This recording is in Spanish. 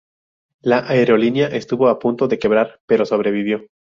La aerolínea estuvo a punto de quebrar, pero sobrevivió.